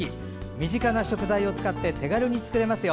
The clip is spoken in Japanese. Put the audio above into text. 身近な食材を使って手軽に作れますよ。